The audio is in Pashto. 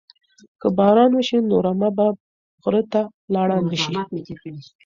که باران وشي نو رمه به غره ته لاړه نشي.